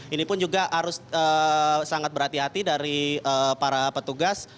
ini pun juga harus sangat berhati hati dari para petugas